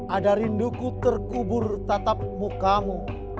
ada rinduku terkubur tatap mukamu